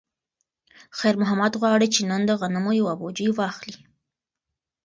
خیر محمد غواړي چې نن د غنمو یوه بوجۍ واخلي.